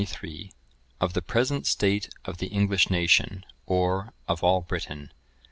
Of the present state of the English nation, or of all Britain.